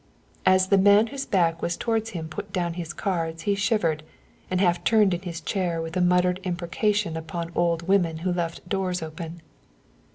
As the man whose back was towards him put down his cards he shivered and half turned in his chair with a muttered imprecation upon old women who left doors open.